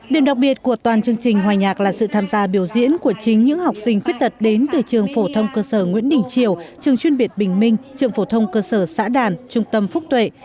điểm đặc biệt của toàn chương trình hòa nhạc là sự tham gia biểu diễn của chính những học sinh khuyết tật đến từ trường phổ thông cơ sở nguyễn đình triều trường chuyên biệt bình minh trường phổ thông cơ sở xã đàn trung tâm phúc tuệ